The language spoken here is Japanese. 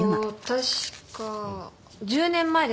確か１０年前です。